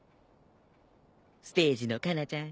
ステージのカナちゃん